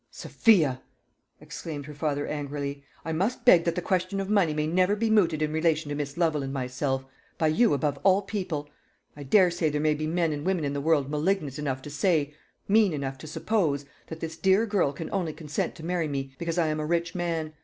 "Sophia!" exclaimed her father angrily, "I must beg that the question of money may never be mooted in relation to Miss Lovel and myself by you above all people. I daresay there may be men and women in the world malignant enough to say mean enough to suppose that this dear girl can only consent to marry me because I am a rich man.